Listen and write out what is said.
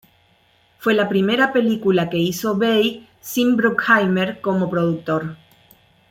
Fue la primera película que hizo Bay sin Bruckheimer como productor.